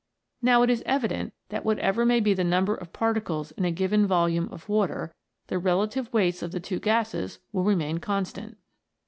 Now, it is evident that whatever may be the number of particles in a given volume of water, the relative weights of the two gases will remain constant.